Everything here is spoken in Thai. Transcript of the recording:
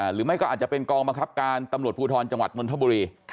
หรือไม่ก็อาจจะเป็นกองบังคับการตำรวจภูทรจังหวัดนนทบุรี